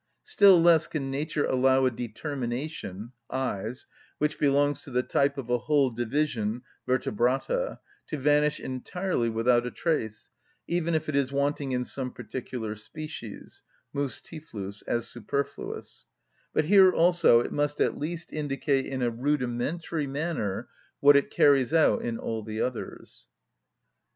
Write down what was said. Still less can nature allow a determination (eyes) which belongs to the type of a whole division (Vertebrata) to vanish entirely without a trace, even if it is wanting in some particular species (Mus typhlus) as superfluous; but here also it must at least indicate in a rudimentary manner what it carries out in all the others.